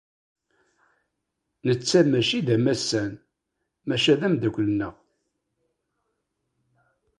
Netta maci d amassan, maca d ameddakel-nneɣ.